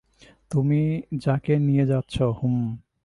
তুমি যাকে নিয়ে যাচ্ছ, - হুম।